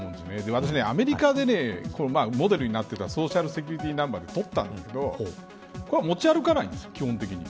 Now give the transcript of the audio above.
私アメリカでこのモデルになっていたソーシャルセキュリティーナンバーって取ったんだけどこれは持ち歩かないんです基本的に。